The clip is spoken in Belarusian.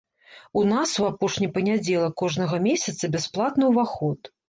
У нас у апошні панядзелак кожнага месяца бясплатны ўваход.